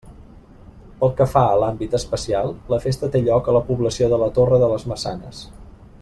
Pel que fa a l'àmbit espacial, la festa té lloc a la població de la Torre de les Maçanes.